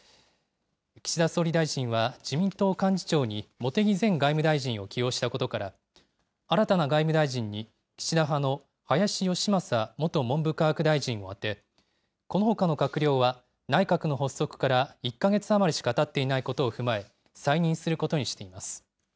岸田総理大臣は自民党幹事長に茂木前外務大臣を起用したことから、新たな外務大臣に岸田派の林芳正元文部科学大臣を充て、このほかの閣僚は、内閣の発足から１か月余りしかたっていないことを踏まえ、再任することにしています。